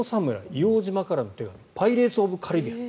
「硫黄島からの手紙」「パイレーツ・オブ・カリビアン」。